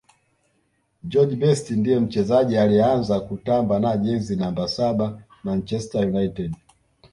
george best ndiye mchezaji aliyeanza kutamba na jezi namba saba manchester united